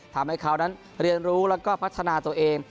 ทำให้เขานั้นเรียนรู้แล้วก็พัฒนาตัวเอง